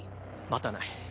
待たない。